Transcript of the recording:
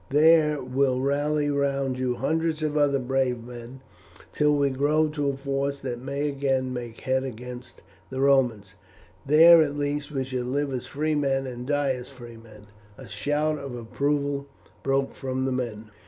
There will rally round you hundreds of other brave men till we grow to a force that may again make head against the Romans. There at least we shall live as free men and die as free men." A shout of approval broke from the men.